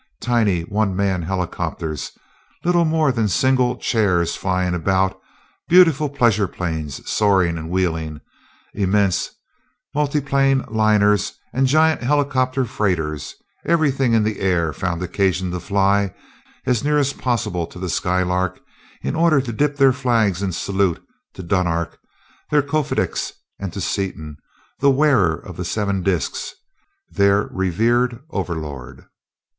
Tiny one man helicopters, little more than single chairs flying about; beautiful pleasure planes, soaring and wheeling; immense multiplane liners and giant helicopter freighters everything in the air found occasion to fly as near as possible to the Skylark in order to dip their flags in salute to Dunark, their Kofedix, and to Seaton, the wearer of the seven disks their revered Overlord.